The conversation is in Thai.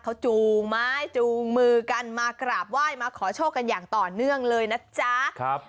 เขาจูงไม้จูงมือกันมากราบไหว้มาขอโชคกันอย่างต่อเนื่องเลยนะจ๊ะครับ